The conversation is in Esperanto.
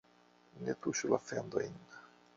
Ne tuŝu la fendojn